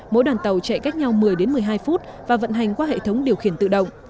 mỗi đoàn tàu chạy cách nhau một mươi đến một mươi hai phút và vận hành qua hệ thống điều khiển tự động